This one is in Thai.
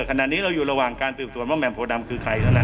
ขณะนี้เราอยู่ระหว่างการสืบสวนว่าแหม่มโพดำคือใครเท่านั้น